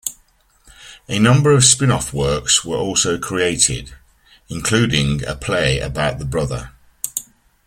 A number of spin-off works were also created, including a play about the brother.